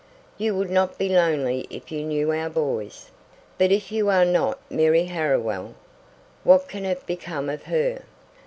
You would not be lonely if you knew our boys." "But if you are not Mary Harriwell, what can have become of her?"